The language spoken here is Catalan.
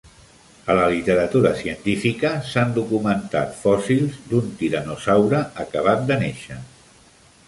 A la literatura científica s"han documentat fòssils d"un tiranosaure acabat de néixer.